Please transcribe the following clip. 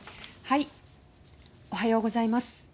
おはようございます。